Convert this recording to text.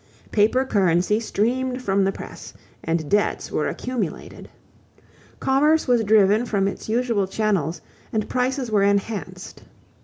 Paper currency streamed from the press and debts were accumulated. Commerce was driven from its usual channels and prices were enhanced.